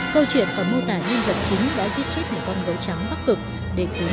câu chuyện có mô tả nhân vật chính đã giết chết một con đấu trắng bắc cực để cứu một người đánh